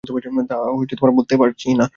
তা বলতে পারছি না।